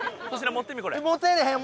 持てへん！